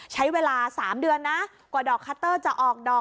ใช้เวลา๓เดือนนะกว่าดอกคัตเตอร์จะออกดอก